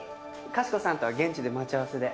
かしこさんとは現地で待ち合わせで。